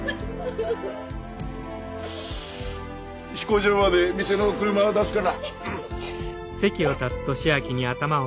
飛行場まで店の車出すから。